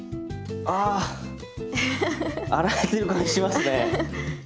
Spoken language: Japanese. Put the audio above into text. あ洗えてる感じしますね！